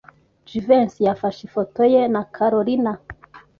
Jivency yafashe ifoto ye na Kalorina.